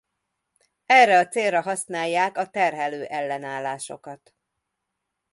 Erre a célra használják a terhelő ellenállásokat.